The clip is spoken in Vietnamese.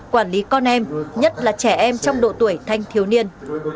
quản lý con em nhất là trẻ em trong độ tuổi thanh thiếu niên